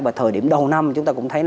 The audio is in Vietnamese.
và thời điểm đầu năm chúng ta cũng thấy